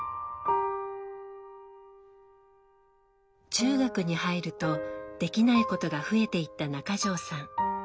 中学に入るとできないことが増えていった中条さん。